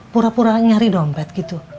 pura pura nyari dompet gitu